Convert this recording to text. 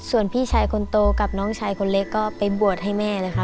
ส่วนพี่ชายคนโตกับน้องชายคนเล็กก็ไปบวชให้แม่เลยค่ะ